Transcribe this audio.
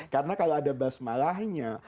karena kalau ada basmalahnya